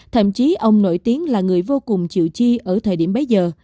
thậm chí ông nổi tiếng là người vô cùng chịu chi ở thời điểm bấy giờ